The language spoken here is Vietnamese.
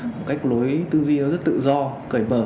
một cách lối tư duy rất tự do cởi mở